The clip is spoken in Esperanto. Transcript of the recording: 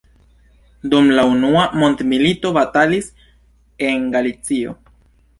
Dum la unua mondmilito batalis en Galicio.